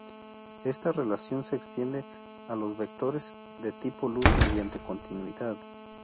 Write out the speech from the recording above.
Esta relación se extiende a los vectores de tipo luz mediante continuidad.